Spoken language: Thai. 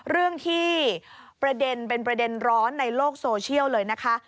เรื่องที่ประเด็นเป็นประเด็นร้อนในโลกโซเชียลเลยนะคะ